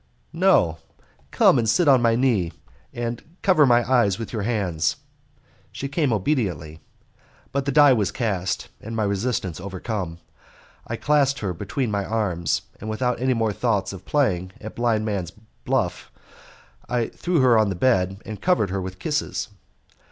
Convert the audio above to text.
"No, come and sit on my knee, and cover my eyes with your hands." She came obediently, but the die was cast, and my resistance overcome. I clasped her between my arms, and without any more thoughts of playing at blind man's buff I threw her on the bed and covered her with kisses.